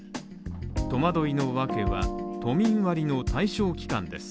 戸惑いの訳は都民割の対象期間です。